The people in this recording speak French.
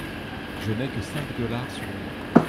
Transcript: Je n’ai que cinq dollars sur moi.